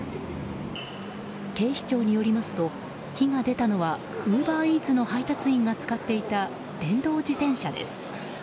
警視庁によりますと火が出たのはウーバーイーツの配達員が使っていた電動自転車です。